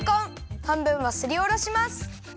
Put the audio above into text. はんぶんはすりおろします。